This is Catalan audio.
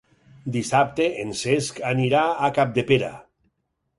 Dissabte en Cesc anirà a Capdepera.